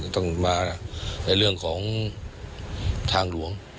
ต้องมาในเรื่องของทางหลวง